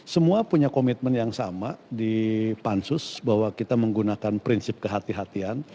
semua punya komitmen yang sama di pansus bahwa kita menggunakan prinsip kehatian